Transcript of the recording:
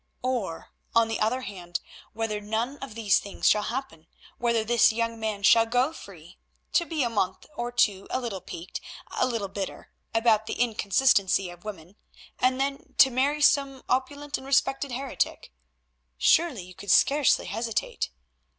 Or, on the other hand, whether none of these things shall happen, whether this young man shall go free, to be for a month or two a little piqued—a little bitter—about the inconstancy of women, and then to marry some opulent and respected heretic. Surely you could scarcely hesitate.